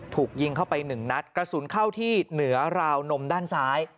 ถูกยิงเข้าไปหนึ่งนัดกระสุนเข้าที่เหนือราวนมด้านซ้าย